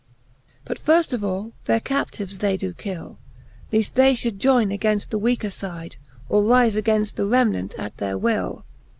But firft of all, their captives they doe kill, Leaft they ihould joyne againft the weaker fide, Or rife againft the remnant at their will.